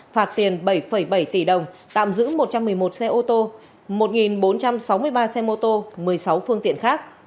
phạt tiền bảy bảy tỷ đồng tạm giữ một trăm một mươi một xe ô tô một bốn trăm sáu mươi ba xe mô tô một mươi sáu phương tiện khác